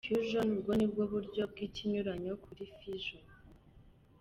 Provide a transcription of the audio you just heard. Fusion bwo ni uburyo bw’ikinyuranyo kuri Fission.